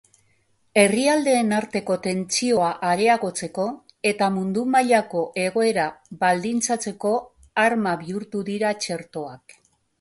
Herrialdeen arteko tentsioa areagotzeko eta mundu mailako egoera baldintzatzeko arma bihurtu dira txertoak.